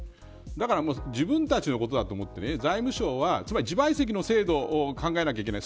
だから自分たちのことだと思って財務省はつまり自賠責の制度を考えなくてはいけない。